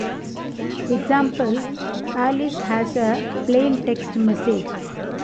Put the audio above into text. Example: Alice has a plaintext message.